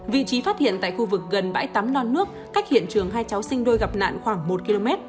vị trí phát hiện tại khu vực gần bãi tắm non nước cách hiện trường hai cháu sinh đôi gặp nạn khoảng một km